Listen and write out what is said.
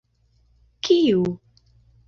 Kiu?